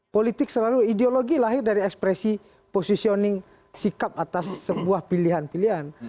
politik selalu ideologi lahir dari ekspresi positioning sikap atas sebuah pilihan pilihan